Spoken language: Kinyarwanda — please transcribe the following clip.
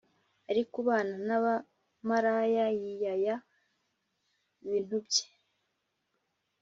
ariko ubana n’abamaraya yiyaya ibintu bye